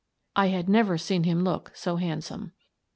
I had never seen him look so handsome.